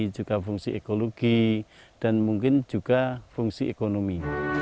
juga fungsi ekologi dan mungkin juga fungsi ekonomi